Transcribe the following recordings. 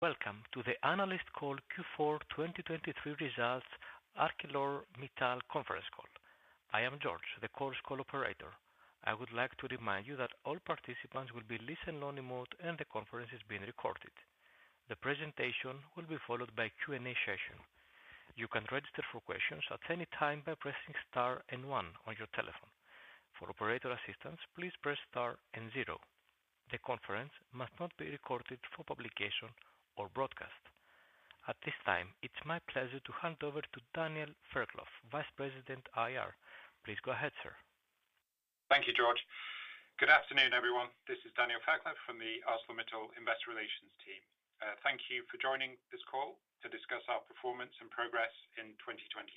Welcome to the Analyst Call Q4 2023 Results, ArcelorMittal Conference Call. I am George, the conference call operator. I would like to remind you that all participants will be listening anonymously, and the conference is being recorded. The presentation will be followed by Q&A session. You can register for questions at any time by pressing Star and one on your telephone. For operator assistance, please press Star and zero. The conference must not be recorded for publication or broadcast. At this time, it's my pleasure to hand over to Daniel Fairclough, Vice President, IR. Please go ahead, sir. Thank you, George. Good afternoon, everyone. This is Daniel Fairclough from the ArcelorMittal Investor Relations team. Thank you for joining this call to discuss our performance and progress in 2023.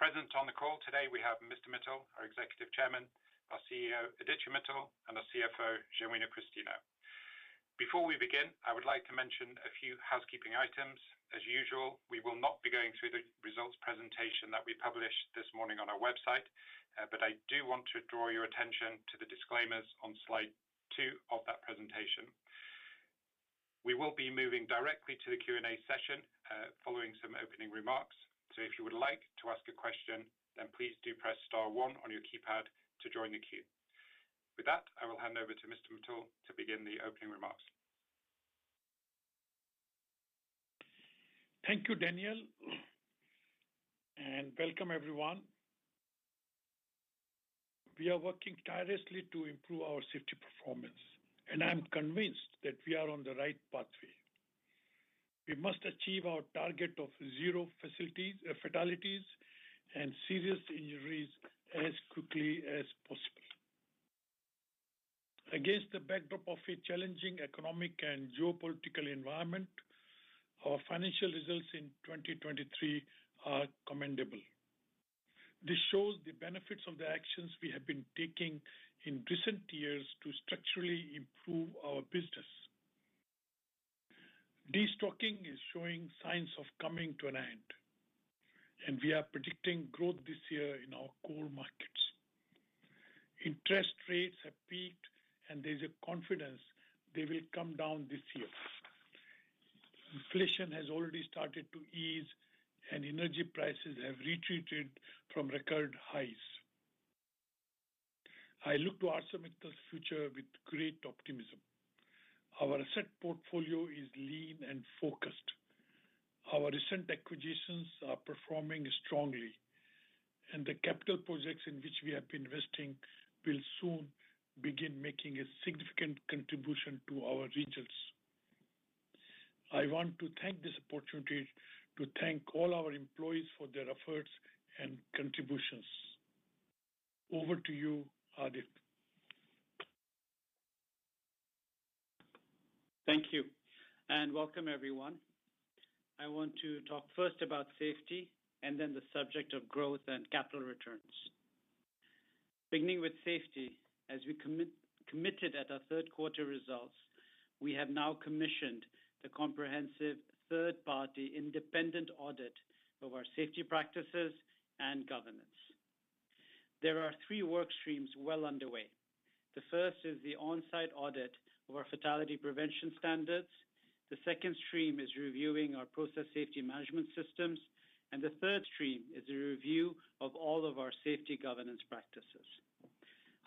Present on the call today, we have Mr. Mittal, our Executive Chairman, our CEO, Aditya Mittal, and our CFO, Genuino Christino. Before we begin, I would like to mention a few housekeeping items. As usual, we will not be going through the results presentation that we published this morning on our website, but I do want to draw your attention to the disclaimers on slide two of that presentation. We will be moving directly to the Q&A session, following some opening remarks. So if you would like to ask a question, then please do press star one on your keypad to join the queue. With that, I will hand over to Mr. Mittal to begin the opening remarks. Thank you, Daniel, and welcome, everyone. We are working tirelessly to improve our safety performance, and I'm convinced that we are on the right pathway. We must achieve our target of zero fatalities and serious injuries as quickly as possible. Against the backdrop of a challenging economic and geopolitical environment, our financial results in 2023 are commendable. This shows the benefits of the actions we have been taking in recent years to structurally improve our business. Destocking is showing signs of coming to an end, and we are predicting growth this year in our core markets. Interest rates have peaked, and there's a confidence they will come down this year. Inflation has already started to ease, and energy prices have retreated from record highs. I look to ArcelorMittal's future with great optimism. Our asset portfolio is lean and focused. Our recent acquisitions are performing strongly, and the capital projects in which we have been investing will soon begin making a significant contribution to our results. I want to thank this opportunity to thank all our employees for their efforts and contributions. Over to you, Adit. Thank you, and welcome, everyone. I want to talk first about safety and then the subject of growth and capital returns. Beginning with safety, as we commit, committed at our third quarter results, we have now commissioned the comprehensive third-party independent audit of our safety practices and governance. There are three work streams well underway. The first is the on-site audit of our fatality prevention standards. The second stream is reviewing our process safety management systems, and the third stream is a review of all of our safety governance practices.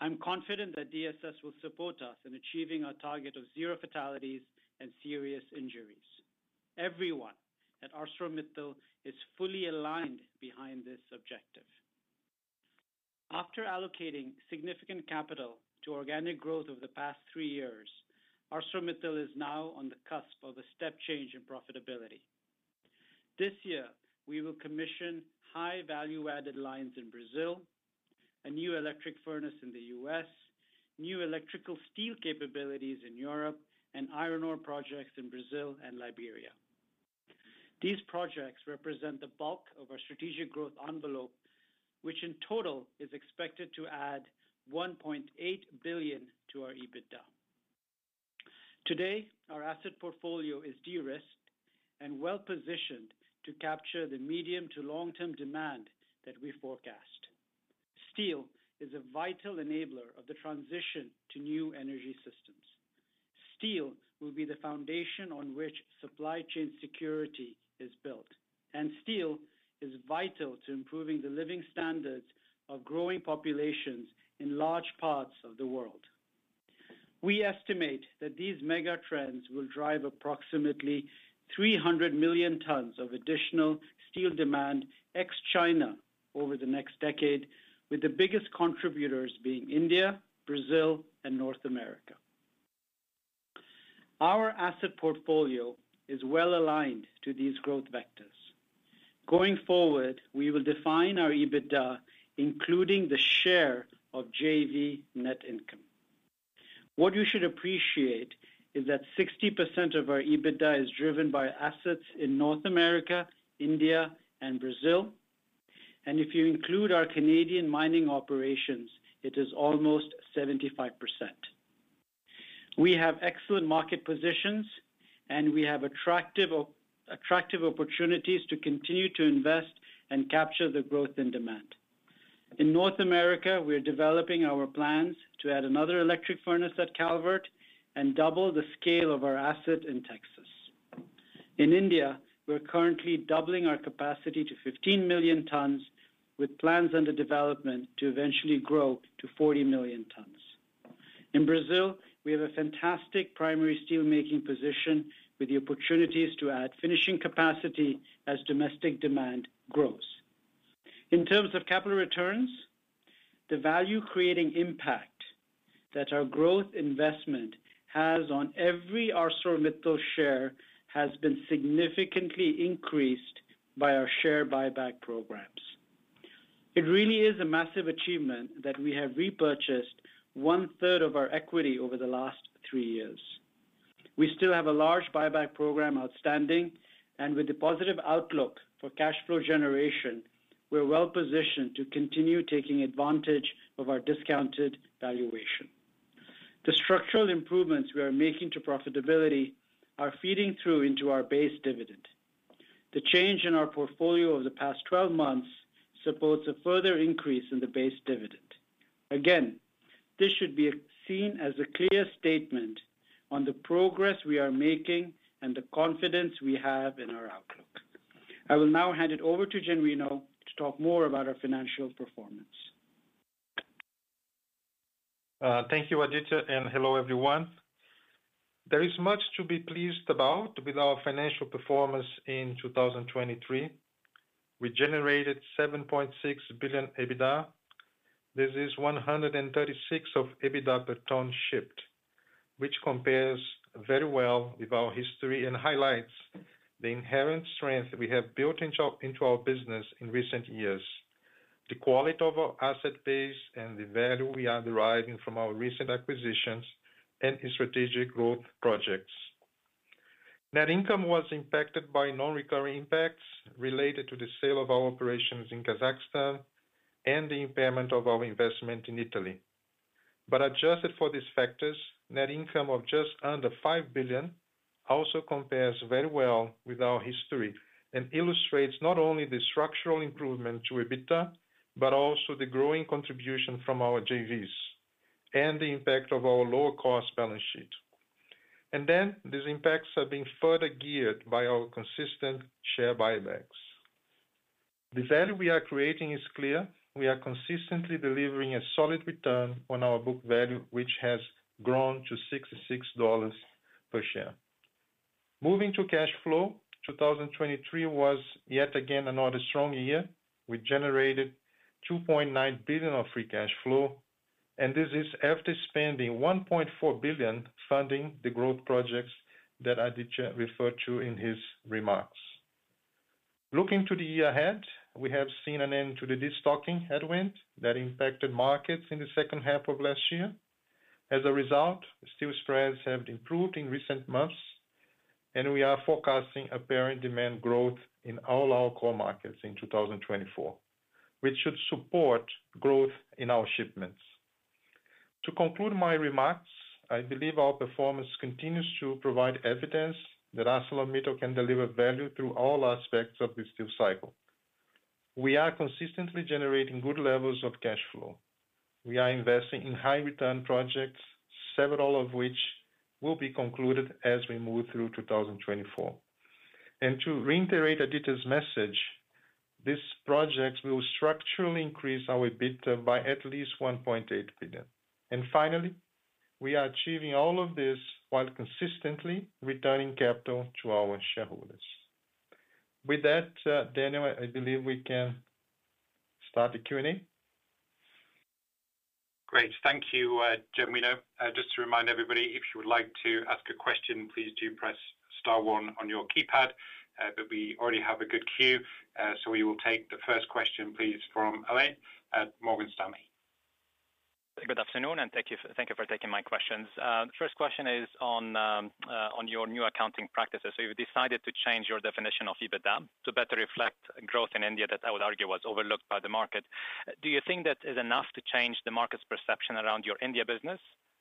I'm confident that DSS will support us in achieving our target of zero fatalities and serious injuries. Everyone at ArcelorMittal is fully aligned behind this objective. After allocating significant capital to organic growth over the past three years, ArcelorMittal is now on the cusp of a step change in profitability. This year, we will commission high-value-added lines in Brazil, a new electric furnace in the U.S., new electrical steel capabilities in Europe, and iron ore projects in Brazil and Liberia. These projects represent the bulk of our strategic growth envelope, which in total is expected to add $1.8 billion to our EBITDA. Today, our asset portfolio is de-risked and well-positioned to capture the medium to long-term demand that we forecast. Steel is a vital enabler of the transition to new energy systems. Steel will be the foundation on which supply chain security is built, and steel is vital to improving the living standards of growing populations in large parts of the world. We estimate that these mega trends will drive approximately 300 million tons of additional steel demand, ex-China, over the next decade, with the biggest contributors being India, Brazil, and North America. Our asset portfolio is well aligned to these growth vectors. Going forward, we will define our EBITDA, including the share of JV net income. What you should appreciate is that 60% of our EBITDA is driven by assets in North America, India, and Brazil, and if you include our Canadian mining operations, it is almost 75%. We have excellent market positions, and we have attractive, attractive opportunities to continue to invest and capture the growth in demand. In North America, we are developing our plans to add another electric furnace at Calvert and double the scale of our asset in Texas. In India, we're currently doubling our capacity to 15 million tons, with plans under development to eventually grow to 40 million tons. In Brazil, we have a fantastic primary steelmaking position, with the opportunities to add finishing capacity as domestic demand grows. In terms of capital returns, the value-creating impact that our growth investment has on every ArcelorMittal share has been significantly increased by our share buyback programs. It really is a massive achievement that we have repurchased 1/3 of our equity over the last three years. We still have a large buyback program outstanding, and with a positive outlook for cash flow generation, we're well positioned to continue taking advantage of our discounted valuation. The structural improvements we are making to profitability are feeding through into our base dividend. The change in our portfolio over the past 12 months supports a further increase in the base dividend. Again, this should be seen as a clear statement on the progress we are making and the confidence we have in our outlook. I will now hand it over to Genuino to talk more about our financial performance. Thank you, Aditya, and hello, everyone. There is much to be pleased about with our financial performance in 2023. We generated $7.6 billion EBITDA. This is $136 of EBITDA per ton shipped, which compares very well with our history and highlights the inherent strength we have built into, into our business in recent years, the quality of our asset base, and the value we are deriving from our recent acquisitions and in strategic growth projects. Net income was impacted by non-recurring impacts related to the sale of our operations in Kazakhstan and the impairment of our investment in Italy. But adjusted for these factors, net income of just under $5 billion also compares very well with our history and illustrates not only the structural improvement to EBITDA, but also the growing contribution from our JVs and the impact of our lower cost balance sheet. And then, these impacts are being further geared by our consistent share buybacks. The value we are creating is clear. We are consistently delivering a solid return on our book value, which has grown to $66 per share. Moving to cash flow, 2023 was yet again another strong year. We generated $2.9 billion of free cash flow, and this is after spending $1.4 billion funding the growth projects that Aditya referred to in his remarks. Looking to the year ahead, we have seen an end to the destocking headwind that impacted markets in the second half of last year. As a result, steel spreads have improved in recent months, and we are forecasting apparent demand growth in all our core markets in 2024, which should support growth in our shipments. To conclude my remarks, I believe our performance continues to provide evidence that ArcelorMittal can deliver value through all aspects of the steel cycle. We are consistently generating good levels of cash flow. We are investing in high return projects, several of which will be concluded as we move through 2024. To reiterate Aditya's message, these projects will structurally increase our EBITDA by at least $1.8 billion. Finally, we are achieving all of this while consistently returning capital to our shareholders. With that, Daniel, I believe we can start the Q&A. Great. Thank you, Genuino. Just to remind everybody, if you would like to ask a question, please do press star one on your keypad. But we already have a good queue, so we will take the first question, please, from Alain at Morgan Stanley. Good afternoon, and thank you, thank you for taking my questions. The first question is on your new accounting practices. So you decided to change your definition of EBITDA to better reflect growth in India, that I would argue, was overlooked by the market. Do you think that is enough to change the market's perception around your India business?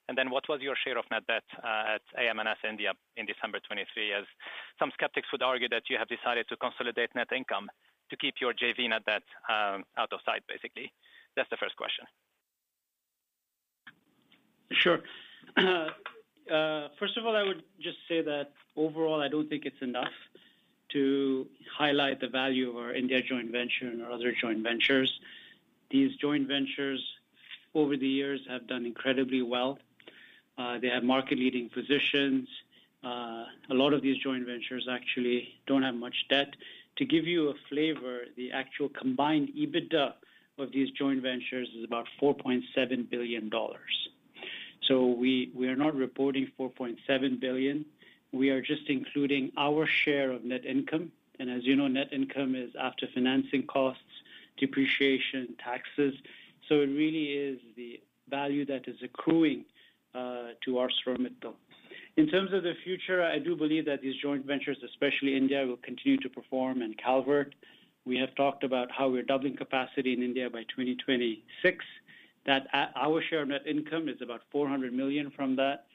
And then what was your share of net debt at AM/NS India in December 2023, as some skeptics would argue that you have decided to consolidate net income to keep your JV net debt out of sight, basically. That's the first question. Sure. First of all, I would just say that overall, I don't think it's enough to highlight the value of our India joint venture and our other joint ventures. These joint ventures, over the years, have done incredibly well. They have market-leading positions. A lot of these joint ventures actually don't have much debt. To give you a flavor, the actual combined EBITDA of these joint ventures is about $4.7 billion. So we are not reporting $4.7 billion, we are just including our share of net income. And as you know, net income is after financing costs, depreciation, taxes, so it really is the value that is accruing to ArcelorMittal. In terms of the future, I do believe that these joint ventures, especially India, will continue to perform. In Calvert, we have talked about how we're doubling capacity in India by 2026. That, our share of net income is about $400 million from that.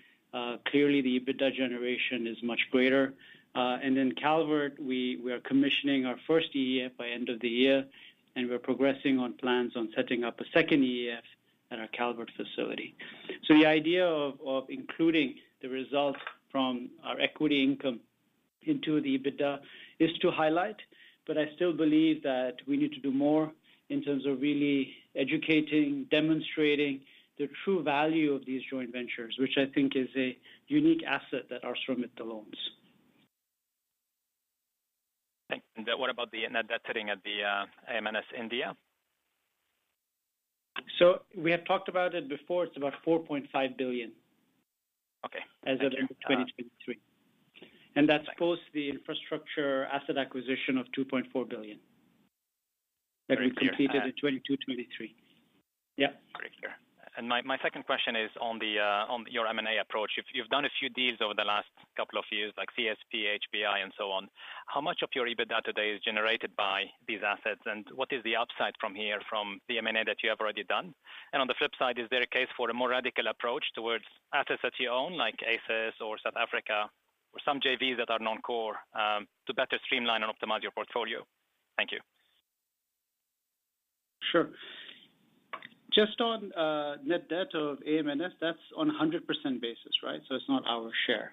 Clearly, the EBITDA generation is much greater. And then Calvert, we are commissioning our first EAF by end of the year, and we're progressing on plans on setting up a second EAF at our Calvert facility. So the idea of including the results from our equity income into the EBITDA is to highlight, but I still believe that we need to do more in terms of really educating, demonstrating the true value of these joint ventures, which I think is a unique asset that ArcelorMittal owns. Thank you. Then what about the net debt sitting at the AM/NS India? We have talked about it before. It's about $4.5 billion. Okay. As of 2023. That's post the infrastructure asset acquisition of $2.4 billion that we completed in 2023. Yeah. Great. Clear. And my, my second question is on the, on your M&A approach. You've, you've done a few deals over the last couple of years, like CSP, HBI, and so on. How much of your EBITDA today is generated by these assets, and what is the upside from here, from the M&A that you have already done? And on the flip side, is there a case for a more radical approach towards assets that you own, like ACIS or South Africa, or some JVs that are non-core, to better streamline and optimize your portfolio? Thank you. Sure. Just on, net debt of AM/NS, that's on a 100% basis, right? So it's not our share,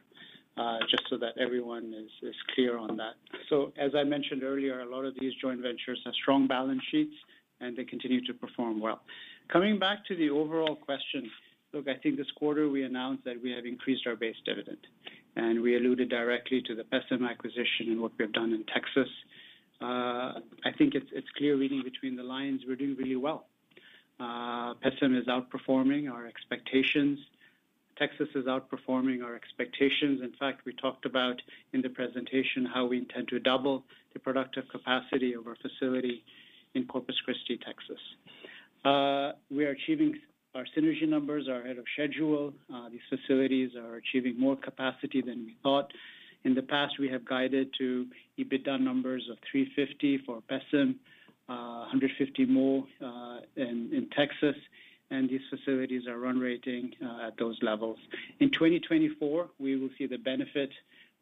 just so that everyone is, is clear on that. So, as I mentioned earlier, a lot of these joint ventures have strong balance sheets, and they continue to perform well. Coming back to the overall question, look, I think this quarter we announced that we have increased our base dividend, and we alluded directly to the Pecém acquisition and what we have done in Texas. I think it's, it's clear reading between the lines, we're doing really well. Pecém is outperforming our expectations. Texas is outperforming our expectations. In fact, we talked about in the presentation how we intend to double the productive capacity of our facility in Corpus Christi, Texas. We are achieving... Our synergy numbers are ahead of schedule. These facilities are achieving more capacity than we thought. In the past, we have guided to EBITDA numbers of $350 million for Pecém, $150 million more in Texas, and these facilities are run-rating at those levels. In 2024, we will see the benefit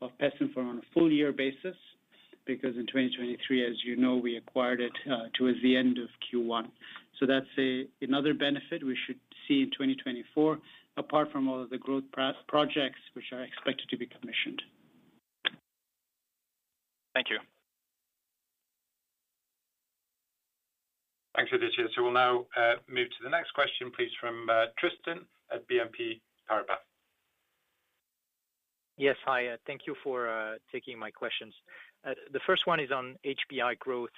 of Pecém on a full year basis, because in 2023, as you know, we acquired it towards the end of Q1. So that's another benefit we should see in 2024, apart from all of the growth projects which are expected to be commissioned. Thank you. Thanks, Aditya. So we'll now move to the next question, please, from Tristan at BNP Paribas. Yes. Hi, thank you for taking my questions. The first one is on HBI growth.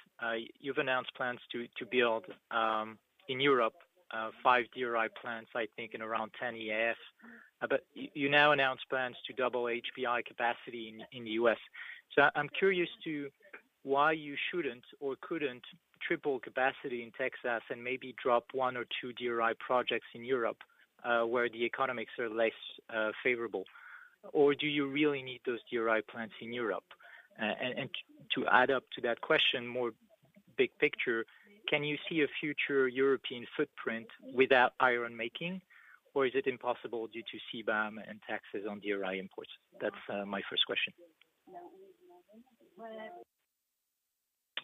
You've announced plans to build in Europe five DRI plants, I think in around 10 EAF. But you now announce plans to double HBI capacity in the U.S. So I'm curious to why you shouldn't or couldn't triple capacity in Texas and maybe drop one or two DRI projects in Europe, where the economics are less favorable. Or do you really need those DRI plants in Europe? And to add up to that question, more big picture, can you see a future European footprint without ironmaking, or is it impossible due to CBAM and taxes on DRI imports? That's my first question.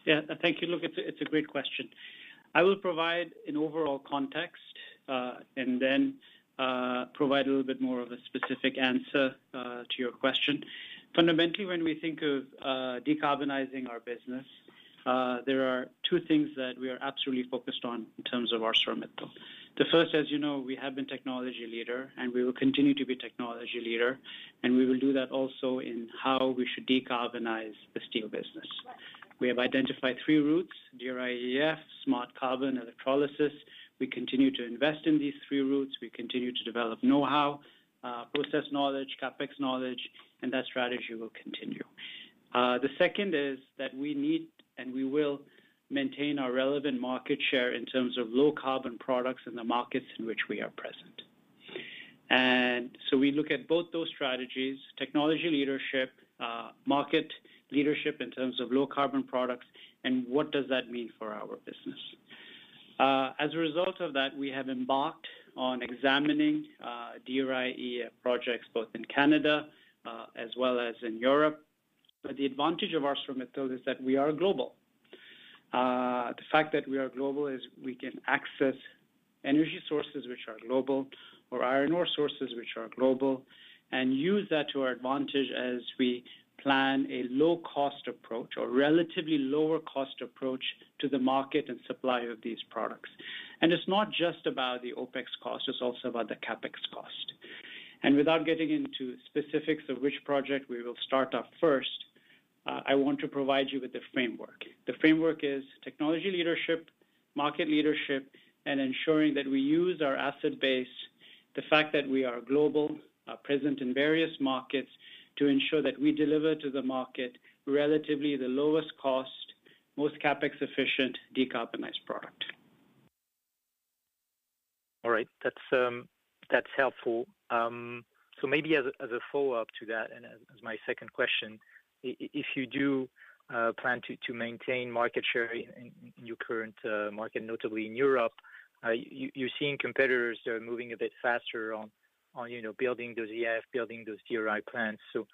Yeah, thank you. Look, it's a, it's a great question. I will provide an overall context, and then, provide a little bit more of a specific answer, to your question. Fundamentally, when we think of, decarbonizing our business, there are two things that we are absolutely focused on in terms of ArcelorMittal. The first, as you know, we have been technology leader, and we will continue to be technology leader, and we will do that also in how we should decarbonize the steel business. We have identified three routes, DRI-EAF, Smart Carbon, electrolysis. We continue to invest in these three routes. We continue to develop know-how, process knowledge, CapEx knowledge, and that strategy will continue. The second is that we need, and we will maintain our relevant market share in terms of low-carbon products in the markets in which we are present. So we look at both those strategies, technology leadership, market leadership in terms of low-carbon products, and what does that mean for our business? As a result of that, we have embarked on examining DRI-EAF projects, both in Canada as well as in Europe. But the advantage of ArcelorMittal is that we are global. The fact that we are global is we can access energy sources which are global, or iron ore sources which are global, and use that to our advantage as we plan a low-cost approach or relatively lower-cost approach to the market and supply of these products. And it's not just about the OpEx cost, it's also about the CapEx cost. And without getting into specifics of which project we will start up first, I want to provide you with the framework. The framework is technology leadership, market leadership, and ensuring that we use our asset base, the fact that we are global, are present in various markets, to ensure that we deliver to the market relatively the lowest cost, most CapEx-efficient, decarbonized product. All right. That's helpful. So maybe as a follow-up to that, and as my second question, if you do plan to maintain market share in your current market, notably in Europe, you're seeing competitors that are moving a bit faster on, you know, building those EAF, building those DRI plants. So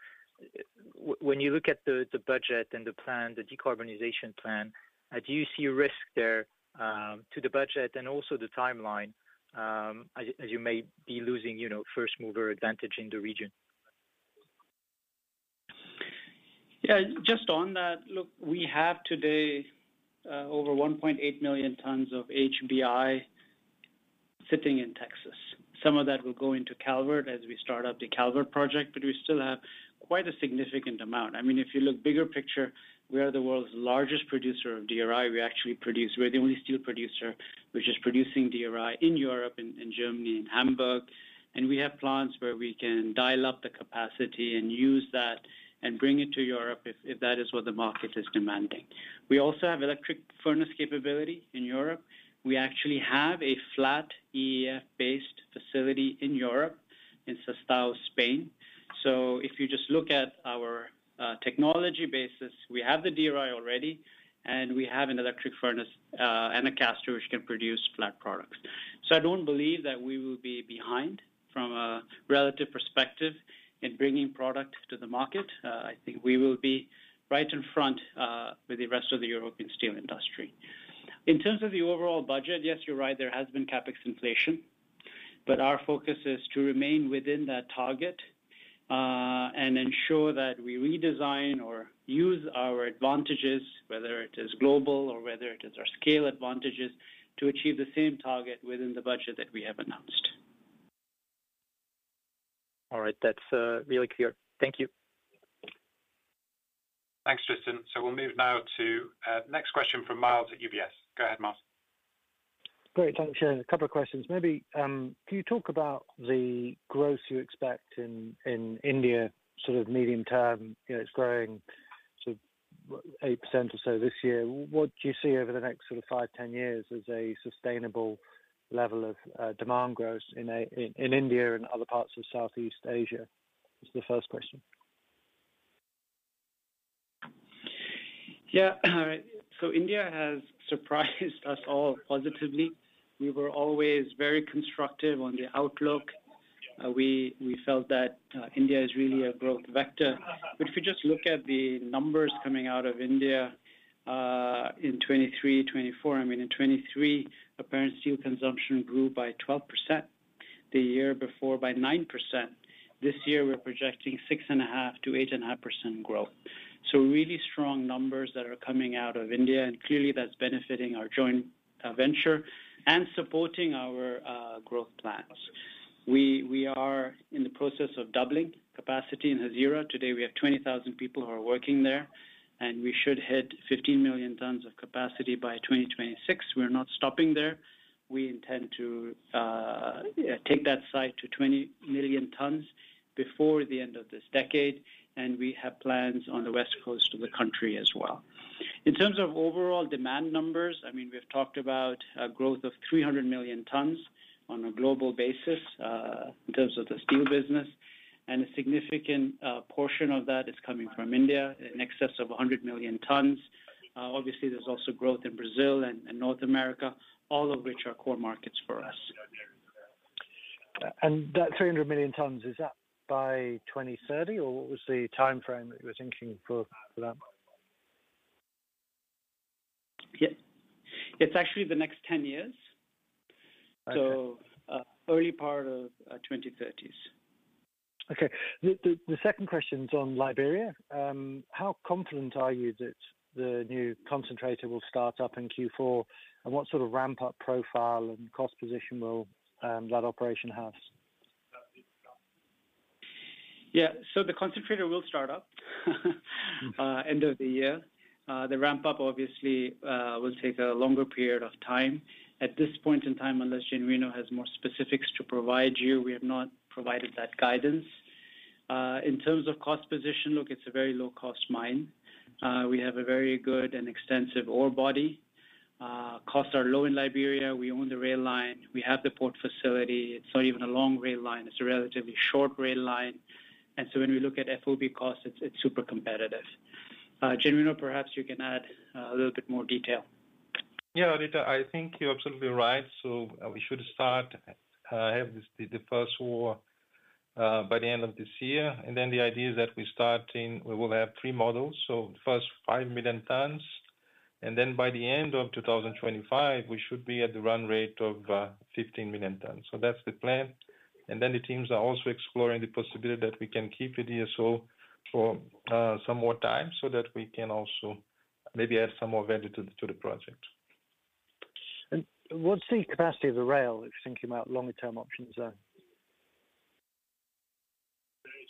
when you look at the budget and the plan, the decarbonization plan, do you see a risk there to the budget and also the timeline, as you may be losing, you know, first mover advantage in the region? Yeah, just on that, look, we have today over 1.8 million tons of HBI sitting in Texas. Some of that will go into Calvert as we start up the Calvert project, but we still have quite a significant amount. I mean, if you look bigger picture, we are the world's largest producer of DRI. We actually produce... We're the only steel producer which is producing DRI in Europe, in, in Germany, in Hamburg, and we have plants where we can dial up the capacity and use that and bring it to Europe if, if that is what the market is demanding. We also have electric furnace capability in Europe. We actually have a flat EAF-based facility in Europe, in Sestao, Spain. So if you just look at our technology basis, we have the DRI already, and we have an electric furnace and a caster, which can produce flat products. So I don't believe that we will be behind from a relative perspective in bringing product to the market. I think we will be right in front with the rest of the European steel industry. In terms of the overall budget, yes, you're right, there has been CapEx inflation, but our focus is to remain within that target and ensure that we redesign or use our advantages, whether it is global or whether it is our scale advantages, to achieve the same target within the budget that we have announced. All right. That's really clear. Thank you. Thanks, Tristan. So we'll move now to next question from Myles at UBS. Go ahead, Myles. Great. Thanks. A couple of questions. Maybe, can you talk about the growth you expect in India, sort of medium term? You know, it's growing to 8% or so this year. What do you see over the next sort of five, 10 years as a sustainable level of demand growth in India and other parts of Southeast Asia? This is the first question. Yeah. So India has surprised us all positively. We were always very constructive on the outlook. We felt that India is really a growth vector. But if you just look at the numbers coming out of India, in 2023, 2024, I mean, in 2023, apparent steel consumption grew by 12%, the year before by 9%. This year, we're projecting 6.5%-8.5% growth. So really strong numbers that are coming out of India, and clearly, that's benefiting our joint venture and supporting our growth plans. We are in the process of doubling capacity in Hazira. Today, we have 20,000 people who are working there, and we should hit 15 million tons of capacity by 2026. We're not stopping there. We intend to take that site to 20 million tons before the end of this decade, and we have plans on the West Coast of the country as well. In terms of overall demand numbers, I mean, we've talked about a growth of 300 million tons on a global basis, in terms of the steel business, and a significant portion of that is coming from India, in excess of 100 million tons. Obviously, there's also growth in Brazil and North America, all of which are core markets for us. That 300 million tons, is that by 2030, or what was the timeframe that you were thinking for, for that? Yeah. It's actually the next 10 years. Okay. Early part of 2030s. Okay. The second question's on Liberia. How confident are you that the new concentrator will start up in Q4? And what sort of ramp-up profile and cost position will that operation have? Yeah. So the concentrator will start up, end of the year. The ramp-up obviously will take a longer period of time. At this point in time, unless Genuino has more specifics to provide you, we have not provided that guidance. In terms of cost position, look, it's a very low-cost mine. We have a very good and extensive ore body. Costs are low in Liberia. We own the rail line. We have the port facility. It's not even a long rail line, it's a relatively short rail line. And so when we look at FOB cost, it's, it's super competitive. Genuino, perhaps you can add a little bit more detail. Yeah, Aditya, I think you're absolutely right. So we should start have the first ore by the end of this year, and then the idea is that we starting... We will have three models. So the first 5 million tons, and then by the end of 2025, we should be at the run rate of 15 million tons. So that's the plan. And then the teams are also exploring the possibility that we can keep it DSO for some more time, so that we can also maybe add some more value to the project. What's the capacity of the rail, if you're thinking about longer-term options there?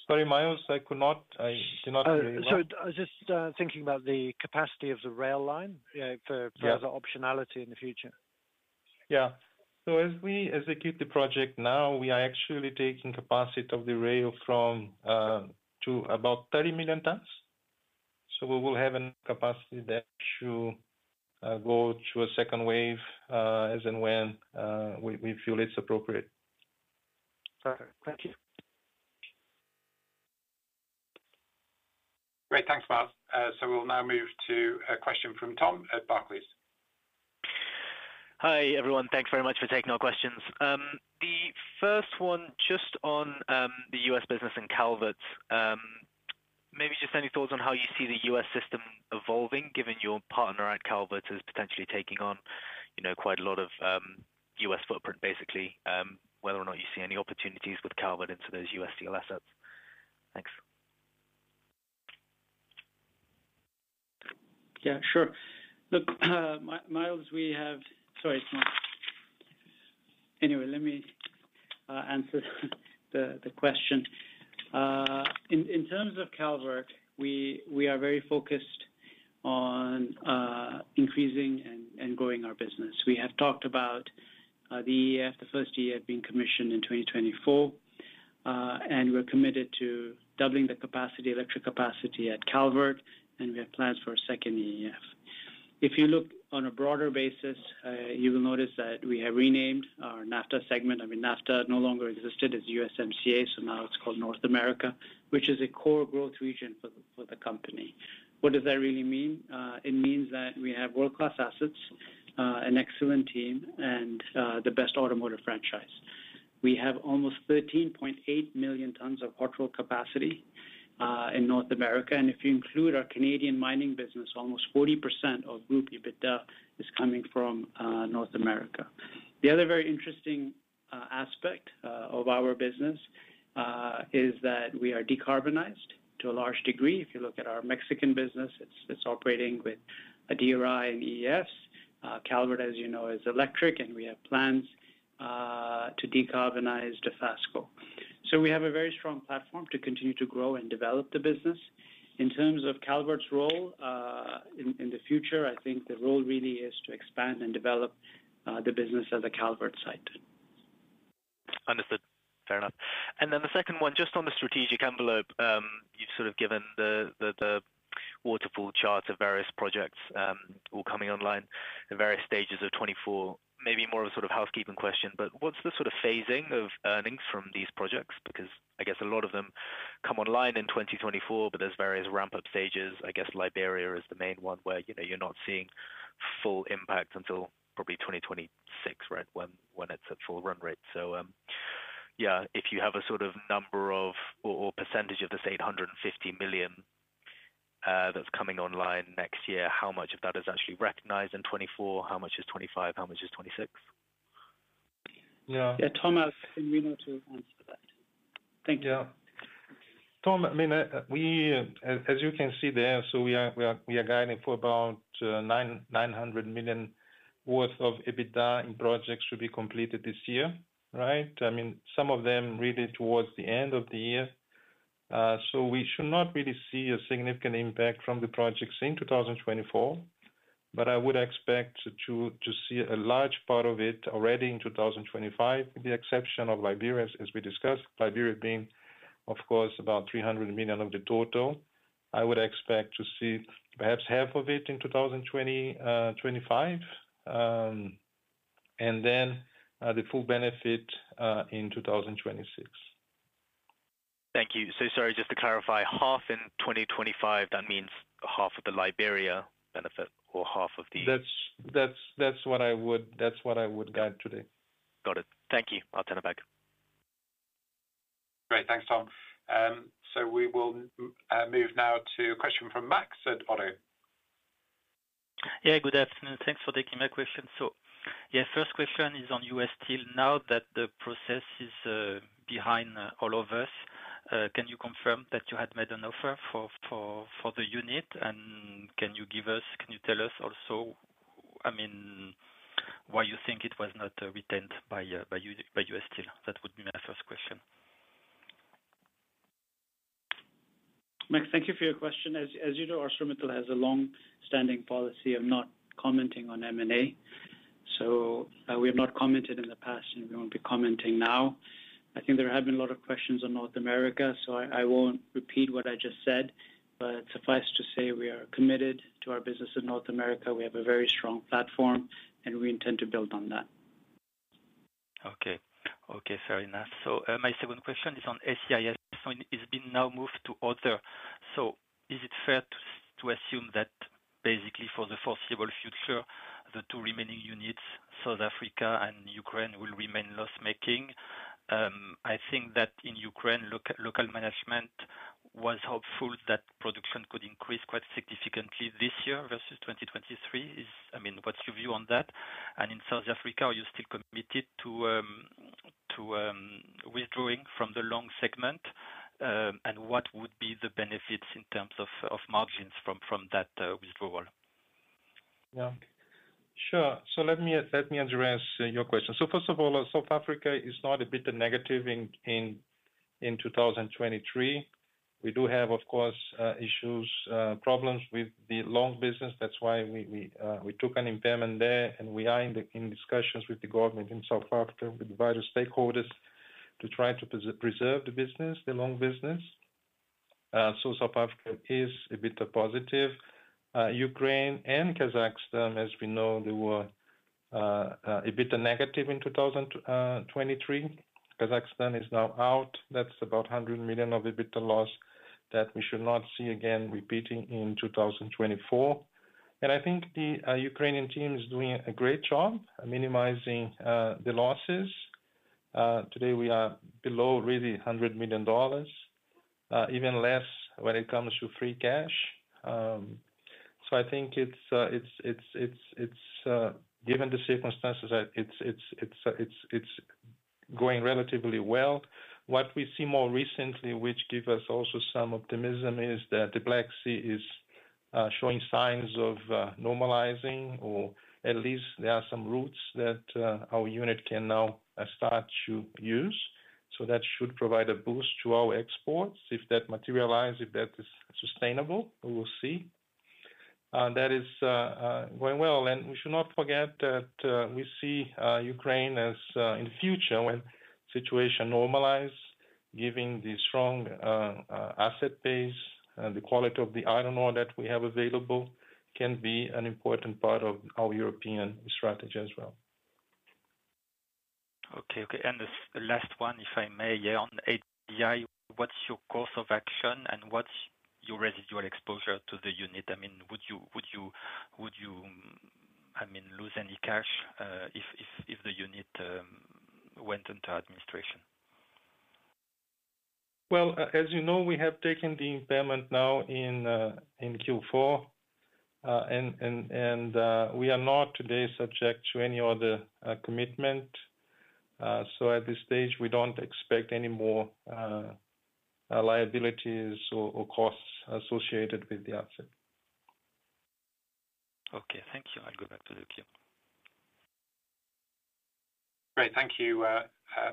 Sorry, Myles, I could not, I did not hear you well. Oh, so I was just thinking about the capacity of the rail line. Yeah... for the optionality in the future. Yeah. So as we execute the project now, we are actually taking capacity of the rail from to about 30 million tons. So we will have a capacity there to go through a second wave, as in when we feel it's appropriate. Okay, thank you. Great, thanks, Myles. So we'll now move to a question from Tom at Barclays. Hi, everyone. Thanks very much for taking our questions. The first one, just on, the U.S. business in Calvert. Maybe just any thoughts on how you see the U.S. system evolving, given your partner at Calvert is potentially taking on, you know, quite a lot of, U.S. footprint, basically, whether or not you see any opportunities with Calvert into those U.S. steel assets? Thanks. Yeah, sure. Look, Myles—Sorry, Myles. Anyway, let me answer the question. In terms of Calvert, we are very focused on increasing and growing our business. We have talked about the EAF, the first EAF being commissioned in 2024. And we're committed to doubling the capacity, electric capacity at Calvert, and we have plans for a second EAF. If you look on a broader basis, you will notice that we have renamed our NAFTA segment. I mean, NAFTA no longer existed, as USMCA, so now it's called North America, which is a core growth region for the company. What does that really mean? It means that we have world-class assets, an excellent team, and the best automotive franchise. We have almost 13.8 million tons of annual capacity in North America, and if you include our Canadian mining business, almost 40% of group EBITDA is coming from North America. The other very interesting aspect of our business is that we are decarbonized to a large degree. If you look at our Mexican business, it's operating with a DRI and EAF. Calvert, as you know, is electric, and we have plans to decarbonize Dofasco. So we have a very strong platform to continue to grow and develop the business. In terms of Calvert's role in the future, I think the role really is to expand and develop the business at the Calvert site. Understood. Fair enough. And then the second one, just on the strategic envelope, you've sort of given the waterfall charts of various projects, all coming online in various stages of 2024. Maybe more of a sort of housekeeping question, but what's the sort of phasing of earnings from these projects? Because I guess a lot of them come online in 2024, but there's various ramp-up stages. I guess Liberia is the main one where, you know, you're not seeing full impact until probably 2026, right? When it's at full run rate. So, yeah, if you have a sort of number or percentage of this $850 million, that's coming online next year, how much of that is actually recognized in 2024? How much is 2025? How much is 2026? Yeah. Yeah, Tom, I'll bring you to answer that. Thank you. Yeah. Tom, I mean, we, as you can see there, so we are guiding for about $900 million worth of EBITDA, and projects should be completed this year, right? I mean, some of them really towards the end of the year. So we should not really see a significant impact from the projects in 2024, but I would expect to see a large part of it already in 2025, with the exception of Liberia, as we discussed. Liberia being, of course, about $300 million of the total. I would expect to see perhaps half of it in 2025. And then the full benefit in 2026. Thank you. So sorry, just to clarify, half in 2025, that means half of the Liberia benefit or half of the- That's what I would guide today. Got it. Thank you. I'll turn it back. Great. Thanks, Tom. So we will move now to a question from Max at ODDO. Yeah, good afternoon. Thanks for taking my question. So yeah, first question is on U.S. Steel. Now that the process is behind all of us, can you confirm that you had made an offer for the unit? And can you give us, can you tell us also, I mean, why you think it was not retained by U.S. Steel? That would be my first question. Max, thank you for your question. As you know, ArcelorMittal has a long-standing policy of not commenting on M&A, so we have not commented in the past, and we won't be commenting now. I think there have been a lot of questions on North America, so I won't repeat what I just said, but suffice to say, we are committed to our business in North America. We have a very strong platform, and we intend to build on that. Okay. Okay, fair enough. So, my second question is on ACIS. So it's been now moved to other. So is it fair to assume that basically for the foreseeable future, the two remaining units, South Africa and Ukraine, will remain loss-making? I think that in Ukraine, local management was hopeful that production could increase quite significantly this year versus 2023. Is I mean, what's your view on that? And in South Africa, are you still committed to withdrawing from the long segment? And what would be the benefits in terms of margins from that withdrawal? Yeah. Sure. So let me, let me address, your question. So first of all, South Africa is not a bit negative in 2023. We do have, of course, issues, problems with the long business. That's why we took an impairment there, and we are in discussions with the government in South Africa, with the various stakeholders... to try to preserve the business, the long business. So South Africa is a bit positive. Ukraine and Kazakhstan, as we know, they were a bit negative in 2023. Kazakhstan is now out. That's about $100 million of EBITDA loss that we should not see again repeating in 2024. And I think the Ukrainian team is doing a great job at minimizing the losses. Today we are below, really, $100 million, even less when it comes to free cash. So I think it's, given the circumstances, it's going relatively well. What we see more recently, which give us also some optimism, is that the Black Sea is showing signs of normalizing, or at least there are some routes that our unit can now start to use. So that should provide a boost to our exports if that materialize, if that is sustainable, we will see. That is going well. We should not forget that we see Ukraine as, in the future when situation normalize, giving the strong asset base, the quality of the iron ore that we have available can be an important part of our European strategy as well. Okay. Okay, and the last one, if I may, on [ADI], what's your course of action and what's your residual exposure to the unit? I mean, would you, I mean, lose any cash, if the unit went into administration? Well, as you know, we have taken the impairment now in Q4, and we are not today subject to any other commitment. So at this stage, we don't expect any more liabilities or costs associated with the asset. Okay, thank you. I'll go back to queue. Great, thank you,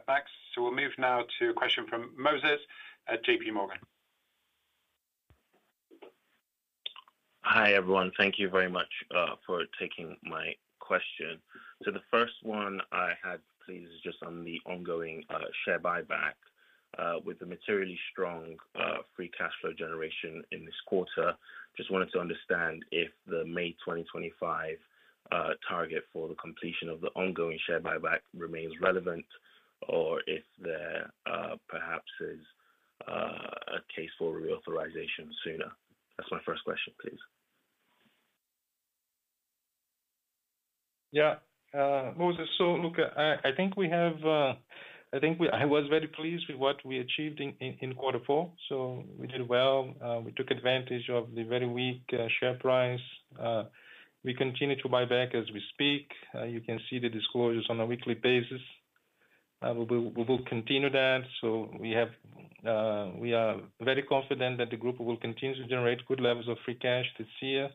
Max. So we'll move now to a question from Moses at JPMorgan. Hi, everyone. Thank you very much, for taking my question. So the first one I had, please, is just on the ongoing, share buyback, with the materially strong, free cash flow generation in this quarter. Just wanted to understand if the May 2025 target for the completion of the ongoing share buyback remains relevant or if there, perhaps is, a case for reauthorization sooner? That's my first question, please. Yeah, Moses, so look, I think we have—I think we I was very pleased with what we achieved in quarter four, so we did well. We took advantage of the very weak share price. We continue to buy back as we speak. You can see the disclosures on a weekly basis. We will continue that. So we have, we are very confident that the group will continue to generate good levels of free cash this year.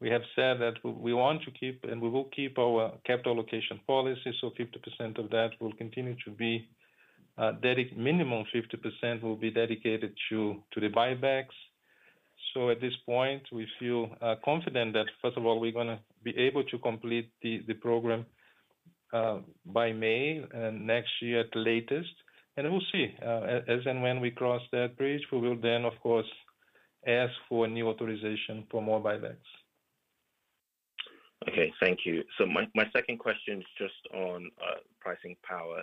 We have said that we want to keep, and we will keep our capital allocation policy, so 50% of that will continue to be. Minimum 50% will be dedicated to the buybacks. So at this point, we feel confident that, first of all, we're gonna be able to complete the program by May and next year at the latest, and we'll see. As and when we cross that bridge, we will then, of course, ask for a new authorization for more buybacks. Okay, thank you. So my, my second question is just on pricing power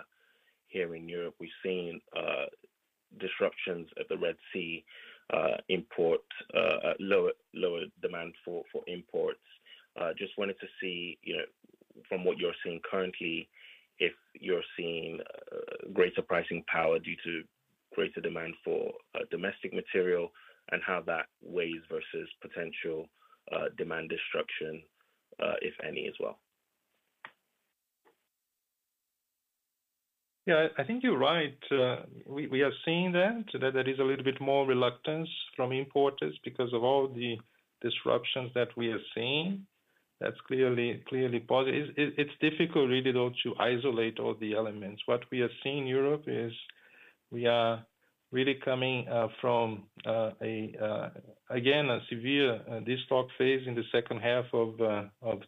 here in Europe. We've seen disruptions at the Red Sea, import lower demand for imports. Just wanted to see, you know, from what you're seeing currently, if you're seeing greater pricing power due to greater demand for domestic material and how that weighs versus potential demand destruction, if any, as well. Yeah, I think you're right. We are seeing that there is a little bit more reluctance from importers because of all the disruptions that we are seeing. That's clearly positive. It's difficult, really, though, to isolate all the elements. What we are seeing in Europe is we are really coming from again a severe destock phase in the second half of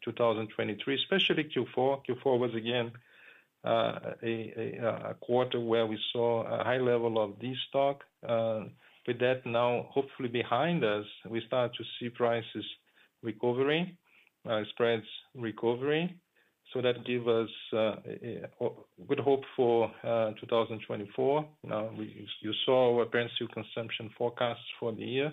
2023, especially Q4. Q4 was again a quarter where we saw a high level of destock. With that now, hopefully behind us, we start to see prices recovering, spreads recovering. So that give us good hope for 2024. Now, you saw our apparent steel consumption forecast for the year.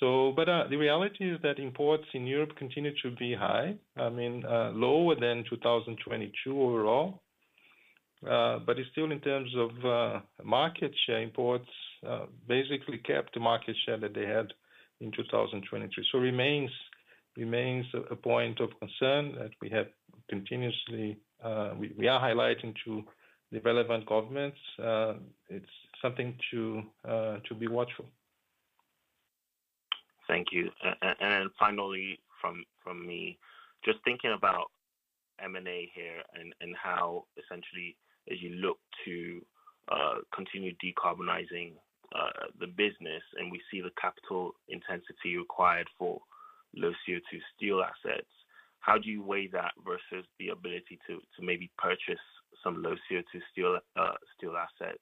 But the reality is that imports in Europe continue to be high. I mean, lower than 2022 overall, but it's still in terms of market share imports basically kept the market share that they had in 2022. So remains a point of concern that we have continuously. We are highlighting to the relevant governments. It's something to be watchful. Thank you. And finally, from me, just thinking about M&A here and how essentially, as you look to continue decarbonizing the business, and we see the capital intensity required for low CO₂ steel assets, how do you weigh that versus the ability to maybe purchase some low CO₂ steel steel assets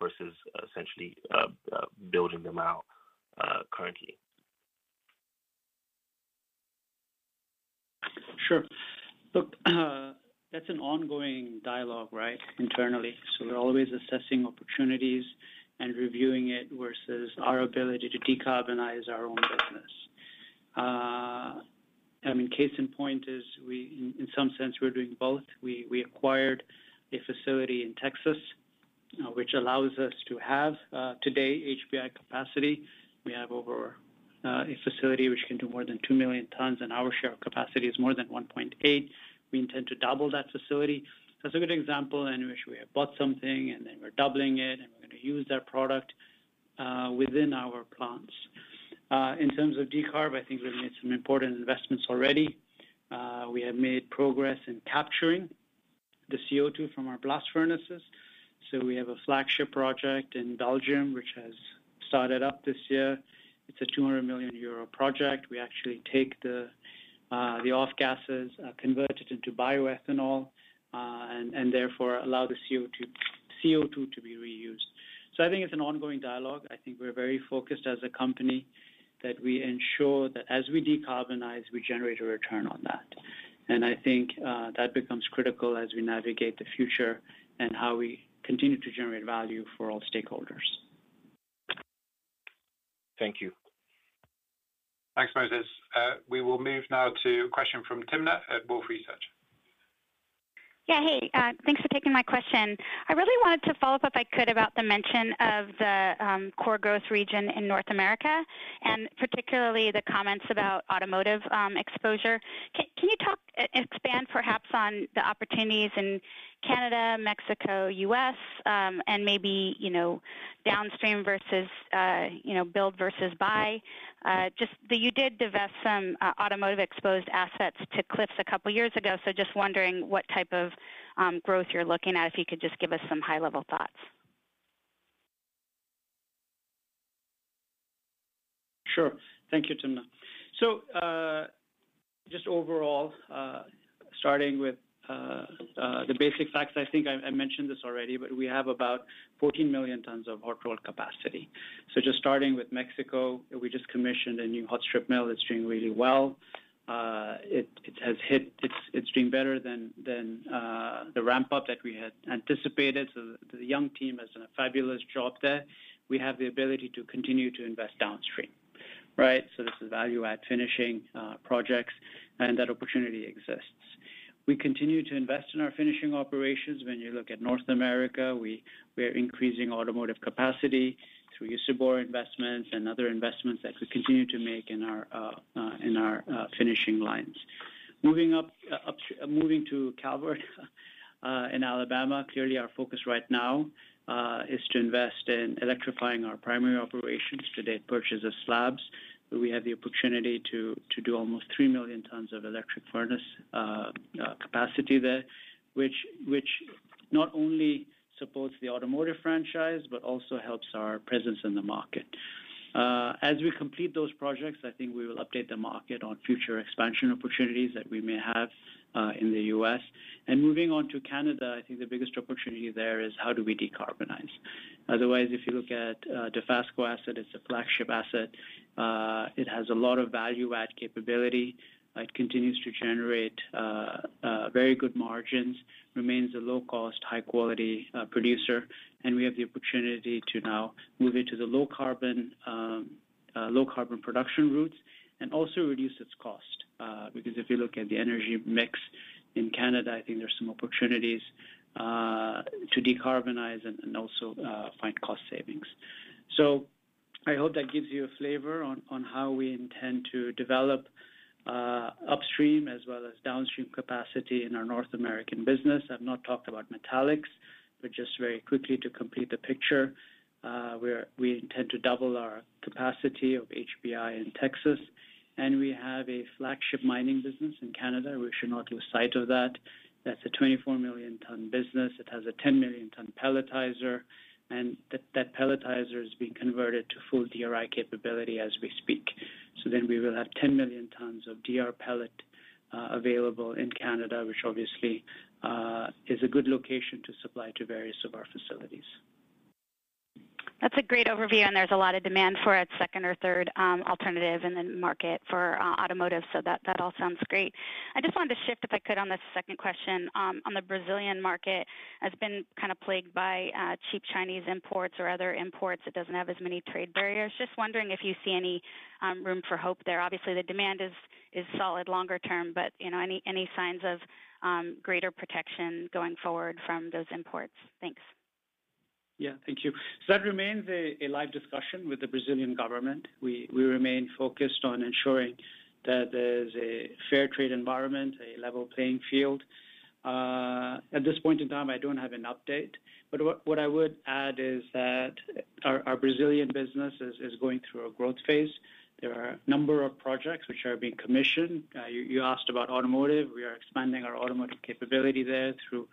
versus essentially building them out currently? Sure. Look, that's an ongoing dialogue, right? Internally. So we're always assessing opportunities and reviewing it versus our ability to decarbonize our own business. I mean, case in point is we, in some sense, we're doing both. We acquired a facility in Texas, which allows us to have today HBI capacity. We have over a facility which can do more than 2 million tons, and our share capacity is more than 1.8. We intend to double that facility. That's a good example in which we have bought something, and then we're doubling it, and we're gonna use that product within our plants. In terms of decarb, I think we've made some important investments already. We have made progress in capturing the CO₂ from our blast furnaces. So we have a flagship project in Belgium, which has started up this year. It's a 200 million euro project. We actually take the off gases, convert it into bioethanol, and, and therefore allow the CO₂, CO₂ to be reused. So I think it's an ongoing dialogue. I think we're very focused as a company, that we ensure that as we decarbonize, we generate a return on that. And I think that becomes critical as we navigate the future and how we continue to generate value for all stakeholders. Thank you. Thanks, Moses. We will move now to a question from Timna at Wolfe Research. Yeah, hey, thanks for taking my question. I really wanted to follow up, if I could, about the mention of the core growth region in North America, and particularly the comments about automotive exposure. Can you talk, expand perhaps on the opportunities in Canada, Mexico, U.S., and maybe, you know, downstream versus, you know, build versus buy? Just that you did divest some automotive exposed assets to Cliffs a couple of years ago, so just wondering what type of growth you're looking at, if you could just give us some high-level thoughts. Sure. Thank you, Timna. So, just overall, starting with the basic facts, I think I mentioned this already, but we have about 14 million tons of hot-rolled capacity. So just starting with Mexico, we just commissioned a new hot strip mill that's doing really well. It has hit. It's doing better than the ramp-up that we had anticipated, so the young team has done a fabulous job there. We have the ability to continue to invest downstream, right? So this is value-add finishing projects, and that opportunity exists. We continue to invest in our finishing operations. When you look at North America, we are increasing automotive capacity through Usibor investments and other investments that we continue to make in our finishing lines. Moving to Calvert in Alabama, clearly our focus right now is to invest in electrifying our primary operations through the purchase of slabs. We have the opportunity to do almost 3 million tons of electric furnace capacity there, which not only supports the automotive franchise but also helps our presence in the market. As we complete those projects, I think we will update the market on future expansion opportunities that we may have in the U.S. And moving on to Canada, I think the biggest opportunity there is how do we decarbonize? Otherwise, if you look at the Dofasco asset, it's a flagship asset. It has a lot of value-add capability. It continues to generate very good margins, remains a low cost, high-quality producer, and we have the opportunity to now move into the low carbon low carbon production routes and also reduce its cost. Because if you look at the energy mix in Canada, I think there's some opportunities to decarbonize and also find cost savings. So I hope that gives you a flavor on how we intend to develop upstream as well as downstream capacity in our North American business. I've not talked about metallics, but just very quickly to complete the picture, we intend to double our capacity of HBI in Texas, and we have a flagship mining business in Canada. We should not lose sight of that. That's a 24 million ton business. It has a 10 million ton pelletizer, and that pelletizer is being converted to full DRI capability as we speak. So then we will have 10 million tons of DR pellet available in Canada, which obviously is a good location to supply to various of our facilities. That's a great overview, and there's a lot of demand for it, second or third, alternative in the market for, automotive, so that, that all sounds great. I just wanted to shift, if I could, on the second question, on the Brazilian market. It's been kind of plagued by, cheap Chinese imports or other imports. It doesn't have as many trade barriers. Just wondering if you see any, room for hope there. Obviously, the demand is, is solid longer term, but, you know, any, any signs of, greater protection going forward from those imports? Thanks. Yeah, thank you. So that remains a live discussion with the Brazilian government. We remain focused on ensuring that there's a fair trade environment, a level playing field. At this point in time, I don't have an update, but what I would add is that our Brazilian business is going through a growth phase. There are a number of projects which are being commissioned. You asked about automotive. We are expanding our automotive capability there through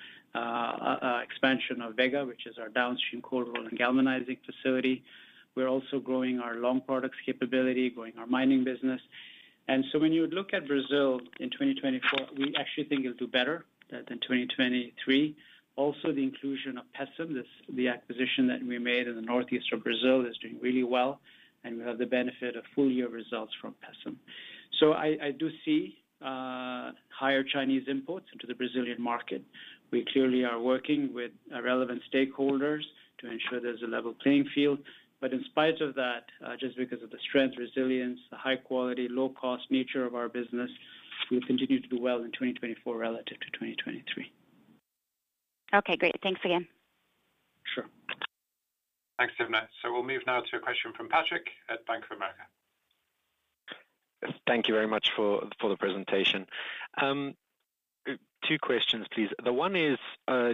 expansion of Vega, which is our downstream cold roll and galvanizing facility. We're also growing our long products capability, growing our mining business. And so when you look at Brazil in 2024, we actually think it'll do better than 2023. Also, the inclusion of Pecém, this, the acquisition that we made in the northeast of Brazil, is doing really well, and we have the benefit of full year results from Pecém. So I do see higher Chinese imports into the Brazilian market. We clearly are working with relevant stakeholders to ensure there's a level playing field. But in spite of that, just because of the strength, resilience, the high quality, low-cost nature of our business, we'll continue to do well in 2024 relative to 2023. Okay, great. Thanks again. Sure. Thanks, Timna. We'll move now to a question from Patrick at Bank of America. Thank you very much for the presentation. Two questions, please. The one is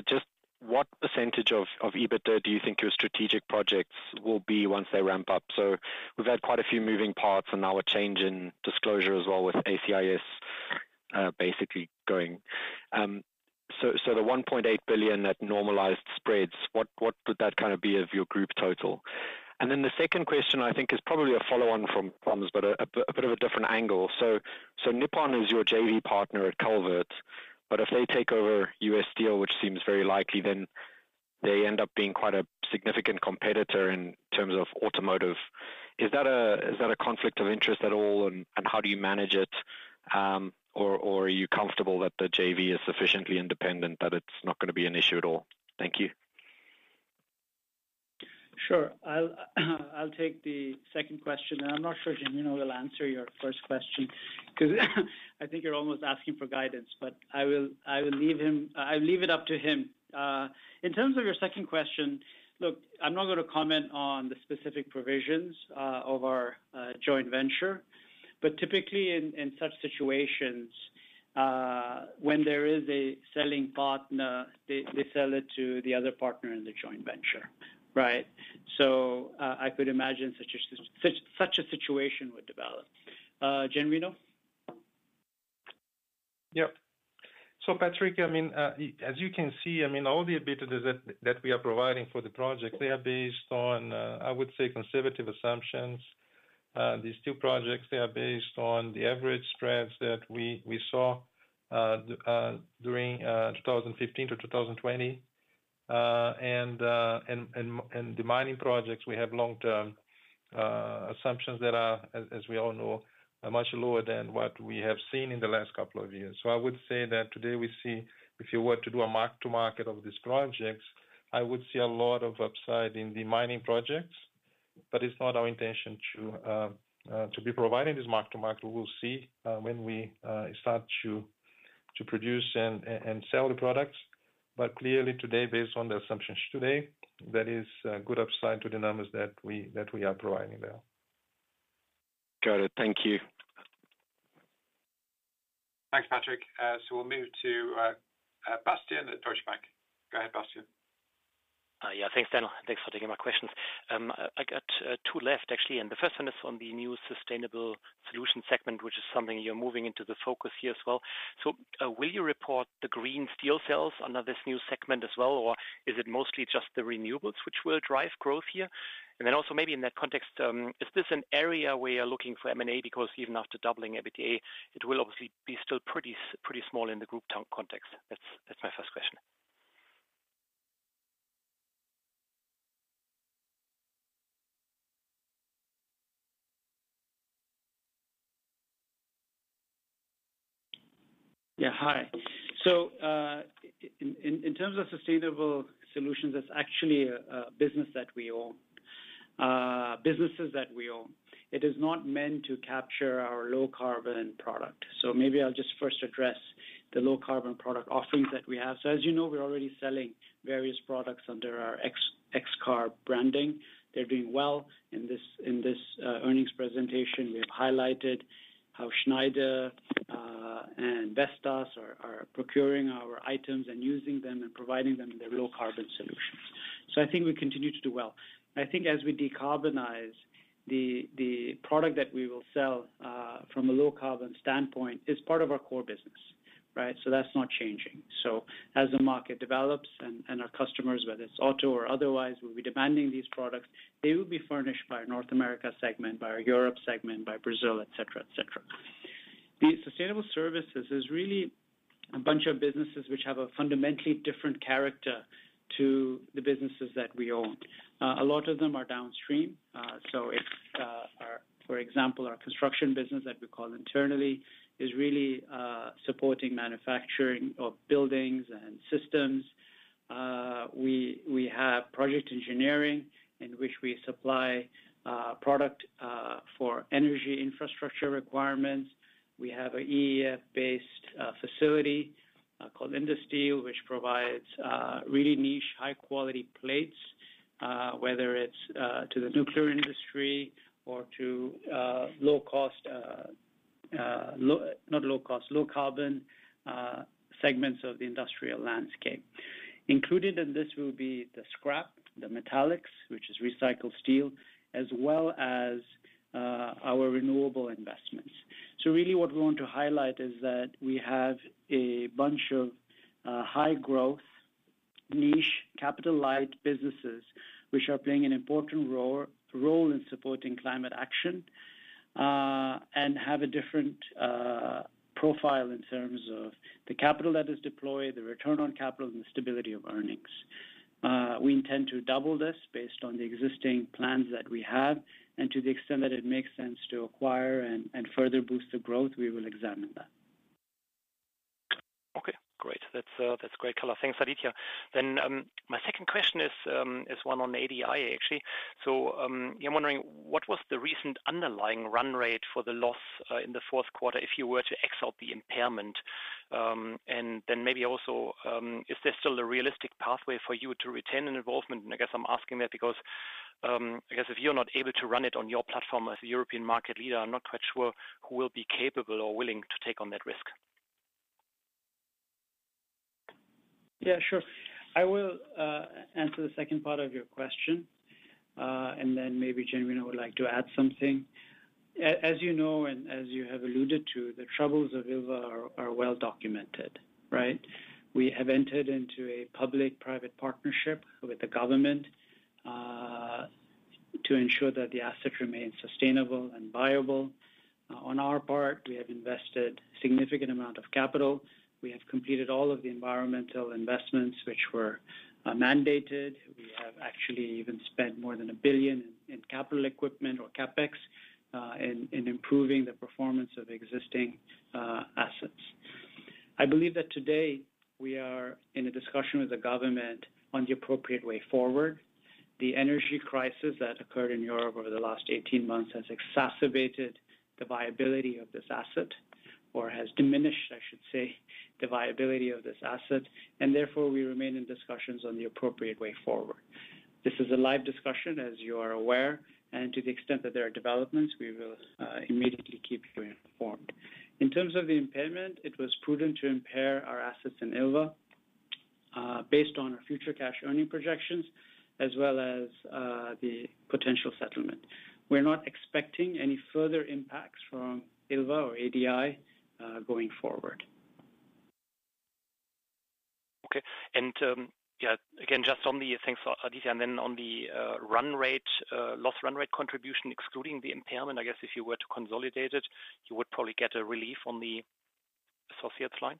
just what percentage of EBITDA do you think your strategic projects will be once they ramp up? So we've had quite a few moving parts and now a change in disclosure as well, with ACIS basically going. So the $1.8 billion, at normalized spreads, what would that kind of be of your group total? And then the second question, I think, is probably a follow-on from this, but a bit of a different angle. So Nippon is your JV partner at Calvert, but if they take over U.S. Steel, which seems very likely, then they end up being quite a significant competitor in terms of automotive. Is that a conflict of interest at all, and how do you manage it? Or are you comfortable that the JV is sufficiently independent, that it's not gonna be an issue at all? Thank you. Sure. I'll take the second question, and I'm not sure Genuino will answer your first question, 'cause I think you're almost asking for guidance, but I will leave it up to him. In terms of your second question, look, I'm not going to comment on the specific provisions of our joint venture. But typically in such situations, when there is a selling partner, they sell it to the other partner in the joint venture, right? So, I could imagine such a situation would develop. Genuino? Yep. So, Patrick, I mean, as you can see, I mean, all the EBITDA that we are providing for the project, they are based on, I would say, conservative assumptions. These two projects, they are based on the average spreads that we saw during 2015 to 2020. And the mining projects, we have long-term assumptions that are, as we all know, much lower than what we have seen in the last couple of years. So I would say that today we see if you were to do a mark-to-market of these projects, I would see a lot of upside in the mining projects. But it's not our intention to be providing this mark-to-market. We will see when we start to produce and sell the products. But clearly today, based on the assumptions today, there is good upside to the numbers that we are providing there. Got it. Thank you. Thanks, Patrick. So we'll move to Bastian at Deutsche Bank. Go ahead, Bastian. Yeah, thanks, Daniel. Thanks for taking my questions. I got two left, actually, and the first one is on the new sustainable solution segment, which is something you're moving into the focus here as well. So, will you report the green steel sales under this new segment as well, or is it mostly just the renewables which will drive growth here? And then also maybe in that context, is this an area where you're looking for M&A? Because even after doubling EBITDA, it will obviously be still pretty small in the group context. That's my first question. Yeah, hi. So, in terms of sustainable solutions, that's actually a business that we own, businesses that we own. It is not meant to capture our low carbon product. So maybe I'll just first address the low carbon product offerings that we have. So as you know, we're already selling various products under our XCarb branding. They're doing well. In this earnings presentation, we have highlighted how Schneider and Vestas are procuring our items and using them and providing them their low carbon solutions. So I think we continue to do well. I think as we decarbonize the product that we will sell from a low carbon standpoint is part of our core business, right? So that's not changing. So as the market develops and our customers, whether it's auto or otherwise, will be demanding these products, they will be furnished by our North America segment, by our Europe segment, by Brazil, et cetera, et cetera. The sustainable services is really a bunch of businesses which have a fundamentally different character to the businesses that we own. A lot of them are downstream, so it's, for example, our construction business that we call internally, is really supporting manufacturing of buildings and systems. We have project engineering, in which we supply product for energy infrastructure requirements. We have a EAF-based facility called Industeel, which provides really niche, high-quality plates, whether it's to the nuclear industry or to low-cost, not low cost, low carbon segments of the industrial landscape. Included in this will be the scrap, the metallics, which is recycled steel, as well as our renewable investments. So really what we want to highlight is that we have a bunch of high growth, niche, capital light businesses, which are playing an important role in supporting climate action, and have a different profile in terms of the capital that is deployed, the return on capital, and the stability of earnings. We intend to double this based on the existing plans that we have, and to the extent that it makes sense to acquire and further boost the growth, we will examine that. Okay, great. That's great color. Thanks, Aditya. Then, my second question is one on ADI, actually. So, I'm wondering, what was the recent underlying run rate for the loss in the fourth quarter, if you were to exclude the impairment? And then maybe also, is there still a realistic pathway for you to retain an involvement? I guess I'm asking that because, I guess if you're not able to run it on your platform as a European market leader, I'm not quite sure who will be capable or willing to take on that risk. Yeah, sure. I will answer the second part of your question, and then maybe Genuino would like to add something. As you know, and as you have alluded to, the troubles of Ilva are well documented, right? We have entered into a public-private partnership with the government, to ensure that the asset remains sustainable and viable. On our part, we have invested significant amount of capital. We have completed all of the environmental investments which were mandated. We have actually even spent more than $1 billion in capital equipment or CapEx, in improving the performance of existing assets. I believe that today we are in a discussion with the government on the appropriate way forward. The energy crisis that occurred in Europe over the last 18 months has exacerbated the viability of this asset, or has diminished, I should say, the viability of this asset, and therefore, we remain in discussions on the appropriate way forward. This is a live discussion, as you are aware, and to the extent that there are developments, we will immediately keep you informed. In terms of the impairment, it was prudent to impair our assets in Ilva, based on our future cash earning projections, as well as, the potential settlement. We're not expecting any further impacts from Ilva or ADI, going forward. Okay. And, yeah, again, just on the... Thanks, Aditya. And then on the run rate, loss run rate contribution, excluding the impairment, I guess if you were to consolidate it, you would probably get a relief on the associates line.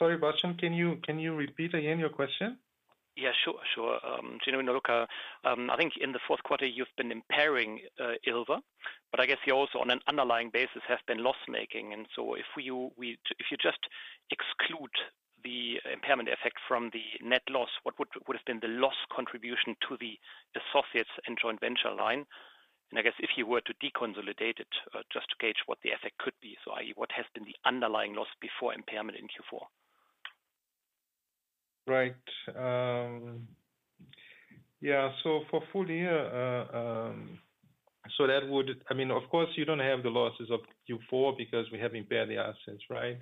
Sorry, Bastian, can you, can you repeat again your question? Yeah, sure, sure. Genuino, I think in the fourth quarter, you've been impairing Ilva, but I guess you also, on an underlying basis, have been loss-making. And so if you just exclude the impairment effect from the net loss, what would have been the loss contribution to the associates and joint venture line? And I guess if you were to deconsolidate it, just to gauge what the effect could be. So i.e., what has been the underlying loss before impairment in Q4? Right. Yeah, so for full year, so that would... I mean, of course, you don't have the losses of Q4 because we have impaired the assets, right?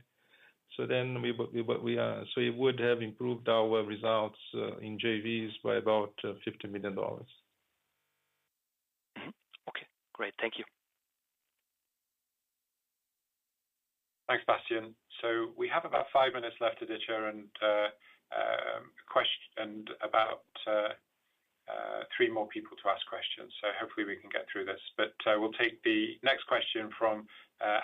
So then so it would have improved our results in JVs by about $50 million. Mm-hmm. Okay, great. Thank you. Thanks, Bastian. So we have about five minutes left, and about three more people to ask questions, so hopefully we can get through this. But we'll take the next question from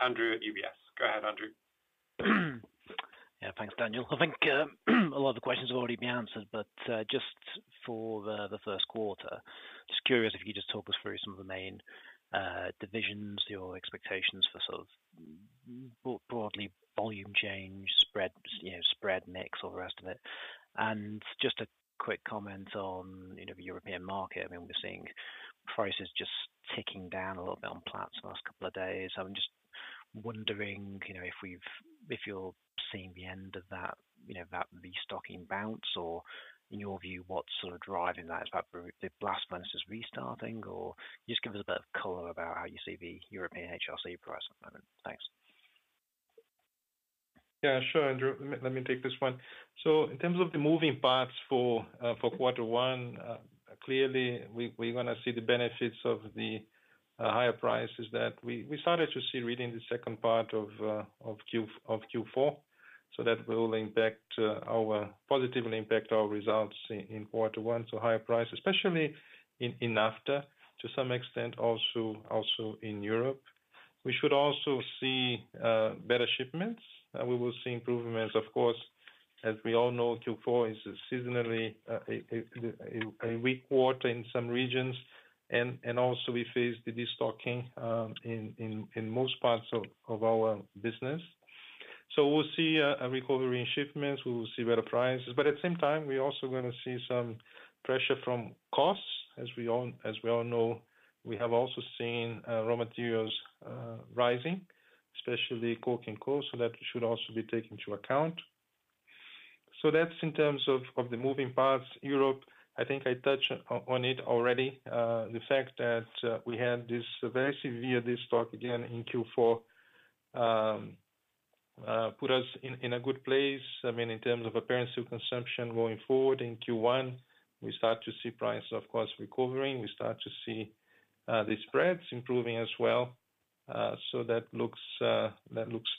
Andrew at UBS. Go ahead, Andrew. Yeah, thanks, Daniel. I think a lot of the questions have already been answered, but just for the first quarter, just curious if you could just talk us through some of the main divisions, your expectations for sort of broadly volume change, spread, you know, spread mix, all the rest of it. And just a quick comment on, you know, the European market. I mean, we're seeing prices just ticking down a little bit on [Platts] the last couple of days. I'm just wondering if, you know, if we've—if you're seeing the end of that, you know, that restocking bounce, or in your view, what's sort of driving that? Is that the blast furnaces restarting, or just give us a bit of color about how you see the European HRC price at the moment. Thanks. Yeah, sure, Andrew. Let me take this one. So in terms of the moving parts for quarter one, clearly, we're gonna see the benefits of the higher prices that we started to see really in the second part of Q4. So that will positively impact our results in quarter one. So higher prices, especially in NAFTA, to some extent, also in Europe. We should also see better shipments. We will see improvements, of course, as we all know, Q4 is seasonally a weak quarter in some regions, and also we face the destocking in most parts of our business. So we'll see a recovery in shipments, we will see better prices, but at the same time, we also gonna see some pressure from costs. As we all know, we have also seen raw materials rising, especially coking coal, so that should also be taken into account. So that's in terms of the moving parts. Europe, I think I touched on it already. The fact that we had this very severe destocking again in Q4 put us in a good place. I mean, in terms of apparent steel consumption going forward in Q1, we start to see prices, of course, recovering. We start to see the spreads improving as well. So that looks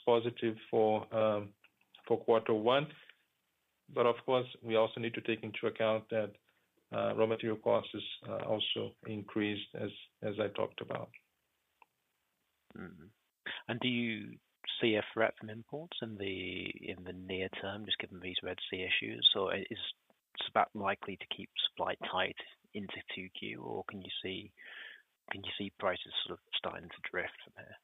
positive for quarter one. But of course, we also need to take into account that raw material costs is also increased as I talked about. Mm-hmm. And do you see a threat from imports in the near term, just given these Red Sea issues? Or is that likely to keep supply tight into 2Q, or can you see prices sort of starting to drift from there?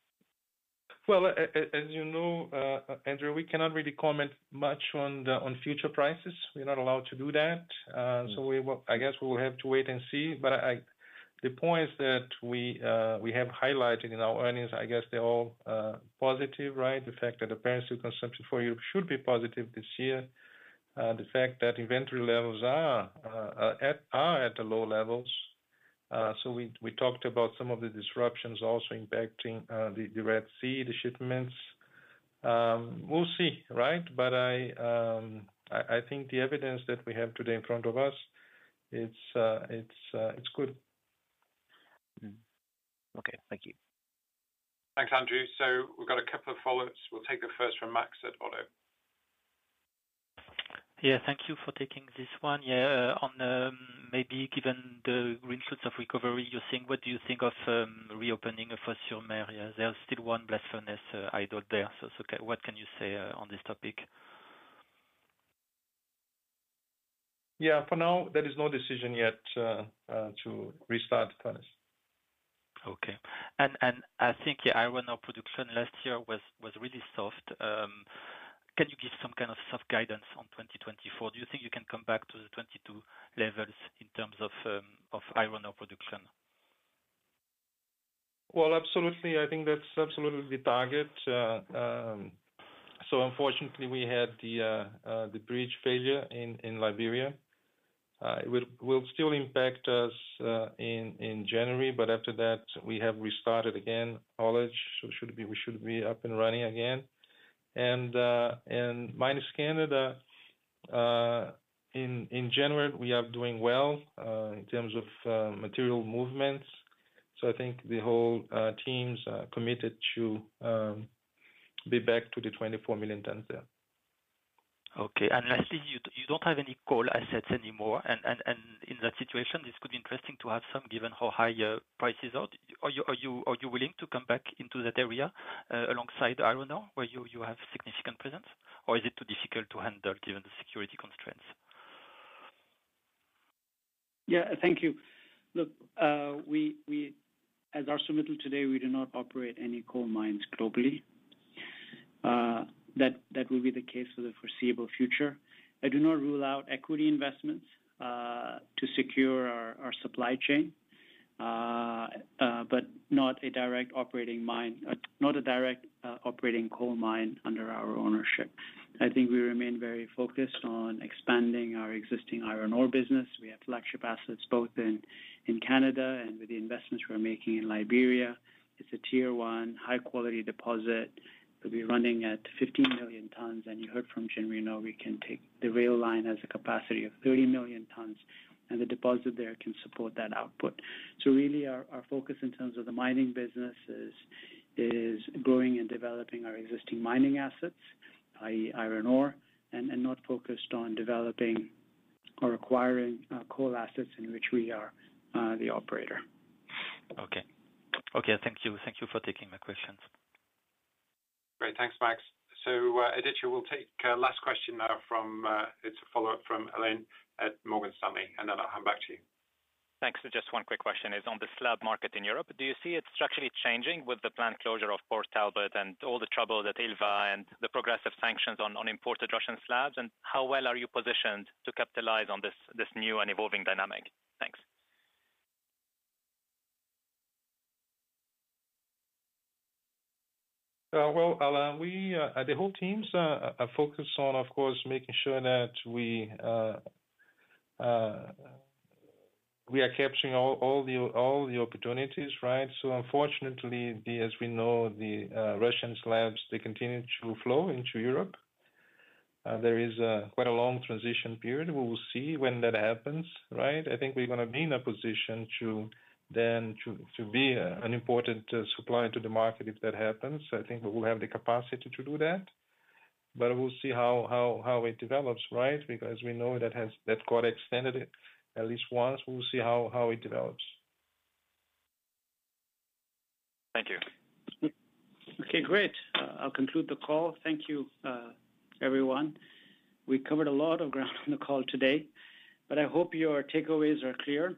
Well, as you know, Andrew, we cannot really comment much on the future prices. We're not allowed to do that. So we will... I guess we will have to wait and see. But the points that we have highlighted in our earnings, I guess they're all positive, right? The fact that the apparent steel consumption for you should be positive this year. The fact that inventory levels are at the low levels. So we talked about some of the disruptions also impacting the Red Sea shipments. We'll see, right? But I think the evidence that we have today in front of us, it's good. Mm-hmm. Okay, thank you. Thanks, Andrew. So we've got a couple of follow-ups. We'll take the first from Max at ODDO. Yeah, thank you for taking this one. Yeah, on, maybe given the green shoots of recovery, you think, what do you think of, reopening of Fos-sur-Mer? There's still one blast furnace, idle there. So, what can you say, on this topic? Yeah, for now, there is no decision yet to restart the furnace. Okay. And I think, yeah, iron ore production last year was really soft. Can you give some kind of soft guidance on 2024? Do you think you can come back to the 2022 levels in terms of iron ore production? Well, absolutely. I think that's absolutely the target. So unfortunately, we had the bridge failure in Liberia. It will still impact us in January, but after that, we have restarted again, haulage]. So, we should be up and running again. And Mines Canada, in general, we are doing well in terms of material movements. So I think the whole teams are committed to be back to the 24 million tons there. Okay. And lastly, you don't have any coal assets anymore, and in that situation, this could be interesting to have some, given how high prices are. Are you willing to come back into that area, alongside iron ore, where you have significant presence? Or is it too difficult to handle given the security constraints? Yeah, thank you. Look, we as ArcelorMittal today, we do not operate any coal mines globally. That will be the case for the foreseeable future. I do not rule out equity investments to secure our supply chain, but not a direct operating mine, not a direct operating coal mine under our ownership. I think we remain very focused on expanding our existing iron ore business. We have flagship assets both in Canada and with the investments we're making in Liberia. It's a tier one, high quality deposit. We'll be running at 15 million tons, and you heard from Genuino, we can take the rail line as a capacity of 30 million tons, and the deposit there can support that output. So really, our focus in terms of the mining business is growing and developing our existing mining assets, i.e., iron ore, and not focused on developing or acquiring coal assets in which we are the operator. Okay. Okay, thank you. Thank you for taking my questions. Great. Thanks, Max. So, Aditya, we'll take last question now from. It's a follow-up from Alain at Morgan Stanley, and then I'll come back to you. Thanks. So just one quick question is on the slab market in Europe. Do you see it structurally changing with the plant closure of Port Talbot and all the trouble that Ilva and the progressive sanctions on imported Russian slabs, and how well are you positioned to capitalize on this new and evolving dynamic? Thanks. Well, Alain, we, the whole team's focused on, of course, making sure that we are capturing all the opportunities, right? So unfortunately, as we know, the Russian slabs continue to flow into Europe. There is quite a long transition period. We will see when that happens, right? I think we're gonna be in a position to then be an important supplier to the market if that happens. I think we will have the capacity to do that, but we'll see how it develops, right? Because we know that has got extended at least once. We'll see how it develops. Thank you. Okay, great. I'll conclude the call. Thank you, everyone. We covered a lot of ground on the call today, but I hope your takeaways are clear.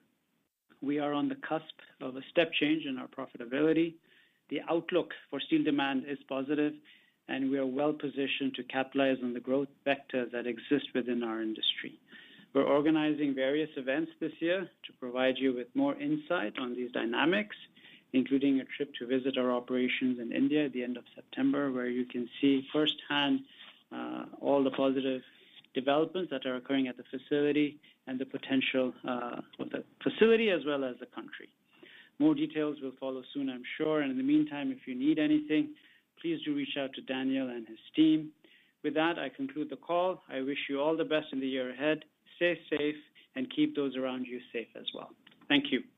We are on the cusp of a step change in our profitability. The outlook for steel demand is positive, and we are well positioned to capitalize on the growth vectors that exist within our industry. We're organizing various events this year to provide you with more insight on these dynamics, including a trip to visit our operations in India at the end of September, where you can see firsthand all the positive developments that are occurring at the facility and the potential of the facility, as well as the country. More details will follow soon, I'm sure. And in the meantime, if you need anything, please do reach out to Daniel and his team. With that, I conclude the call. I wish you all the best in the year ahead. Stay safe and keep those around you safe as well. Thank you.